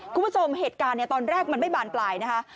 คุณผู้ชมเหตุการณ์ตอนแรกมันไม่บานปลายนะคะ